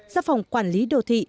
giáp phòng quản lý đô thị